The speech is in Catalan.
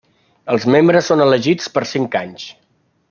Els membres són elegits per cinc anys.